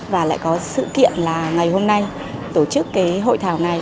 và lại có sự kiện là ngày hôm nay tổ chức cái hội thảo này